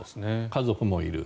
家族もいる。